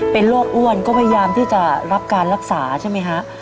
เป็นโรคอ้วนก็พยายามที่จะรับการรักษาใช่ไหมฮะ